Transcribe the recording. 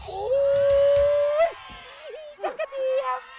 อุ้ยจังกระเทียบ